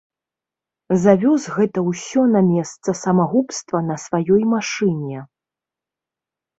Завёз гэта ўсё на месца самагубства на сваёй машыне.